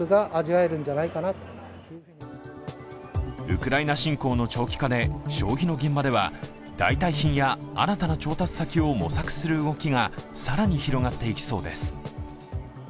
ウクライナ侵攻の長期化で消費の現場では代替品や新たな調達先を模索する動きが更に広がっていきそうです。